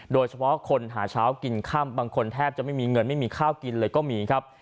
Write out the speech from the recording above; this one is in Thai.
โดยเฉพาะคนหาเช้ากินค่ำบางคนแทบจะไม่มีเงินไม่มีข้าวกินเลยก็มีครับ